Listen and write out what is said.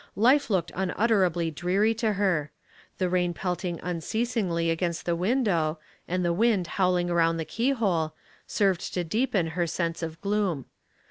Life looked un utterably dreary to her. The rain pelting un ceasingly against the window, and the wind howling around the keyhole, served to deepen her sense of gloom.